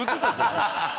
ハハハハ！